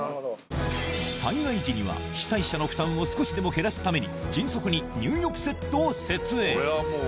災害時には被災者の負担を少しでも減らすために迅速に入浴セットを設営